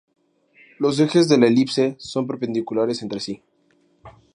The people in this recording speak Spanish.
Los ejes de la elipse son perpendiculares entre sí.